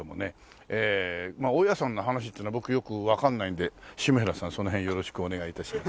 まあお岩さんの話っていうのは僕よくわかんないんで下平さんその辺よろしくお願い致します。